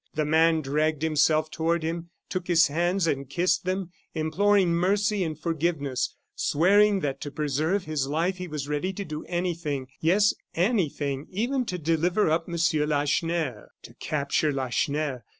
The man dragged himself toward him, took his hands and kissed them, imploring mercy and forgiveness, swearing that to preserve his life he was ready to do anything, yes, anything, even to deliver up M. Lacheneur. To capture Lacheneur!